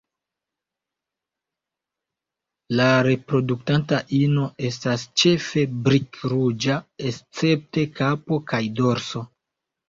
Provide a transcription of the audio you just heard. La reproduktanta ino estas ĉefe brik-ruĝa escepte kapo kaj dorso.